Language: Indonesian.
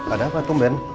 ada apa tumben